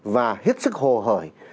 và hết sức hồ hởi